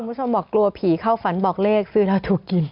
คุณผู้ชมบอกกลัวผีเข้าฝันบอกเลขซื้อแล้วถูกกิน